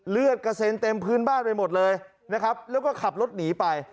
เลือดกระเซ็นเต็มพื้นบ้านไปหมดเลยนะครับแล้วก็ขับรถหนีไป